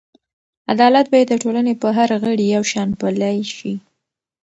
عدالت باید د ټولنې په هر غړي یو شان پلی شي.